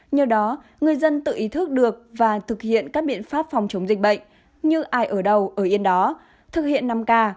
nhờ đó người dân tự ý thức được và thực hiện các biện pháp phòng chống dịch bệnh như ai ở đầu ở yên đó thực hiện năm k